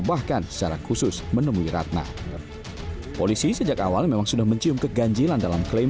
bahkan secara khusus menemui ratna polisi sejak awal memang sudah mencium keganjilan dalam klaim